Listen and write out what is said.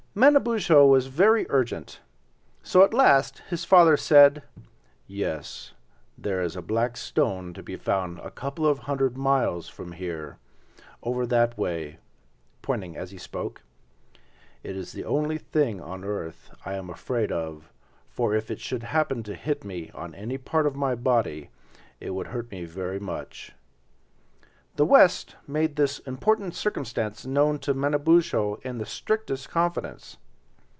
Manabozho was very urgent, so at last his father said: "Yes, there is a black stone to be found a couple of hundred miles from here, over that way," pointing as he spoke. "It is the only thing on earth I am afraid of, for if it should happen to hit me on any part of my body it would hurt me very much." The West made this important circumstance known to Manabozho in the strictest confidence.